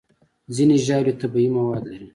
ځینې ژاولې طبیعي مواد لري.